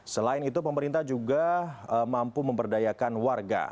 selain itu pemerintah juga mampu memberdayakan warga